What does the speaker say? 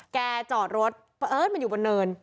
แกจอดรถเอ้อมันอยู่บนเนิน